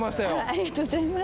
ありがとうございます